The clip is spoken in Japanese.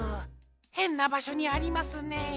へんなばしょにありますね。